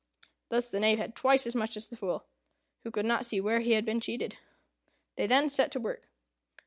Thus the Knave had twice as much as the Fool, who could not see where he had been cheated. They then set to work.